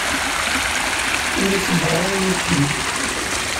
Ur iṣebber ara i wakken.